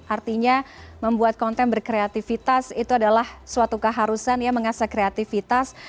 artinya membuat konten berkreativitas itu adalah suatu keharusan ya mengasah kreativitas